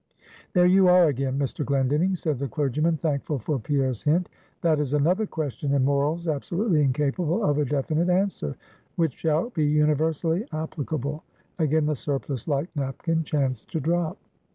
"There you are again, Mr. Glendinning," said the clergyman, thankful for Pierre's hint; "that is another question in morals absolutely incapable of a definite answer, which shall be universally applicable." Again the surplice like napkin chanced to drop.